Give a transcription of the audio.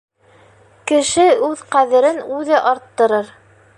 Кеше үҙ ҡәҙерен үҙе арттырыр.